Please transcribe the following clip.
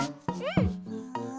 うん！